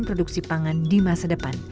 produksi pangan di masa depan